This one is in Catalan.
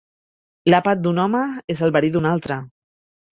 L'àpat d'un home és el verí d'un altre.